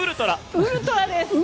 ウルトラです！